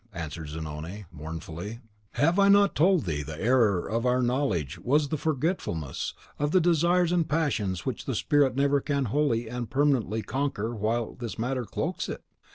answered Zanoni, mournfully, "have I not told thee the error of our knowledge was the forgetfulness of the desires and passions which the spirit never can wholly and permanently conquer while this matter cloaks it?